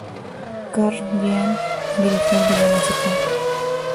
Karl giant dirigió el video musical.